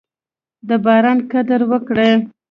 د باران قدر وکړئ.